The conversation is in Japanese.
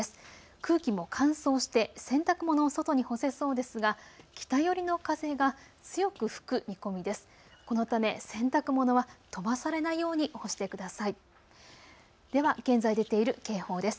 空気も乾燥して洗濯物を外に干せそうですが北寄りの風が強く吹く見込みです。